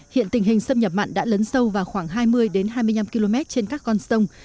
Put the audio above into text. hiện tình hình xâm nhập mặn đã lớn sâu vào khoảng hai mươi hai mươi năm km trên các con sông